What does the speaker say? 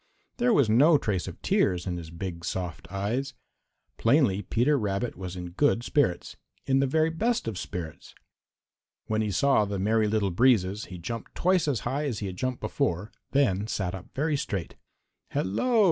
There was no trace of tears in his big, soft eyes. Plainly Peter Rabbit was in good spirits, in the very best of spirits. When he saw the Merry Little Breezes he jumped twice as high as he had jumped before, then sat up very straight. "Hello!"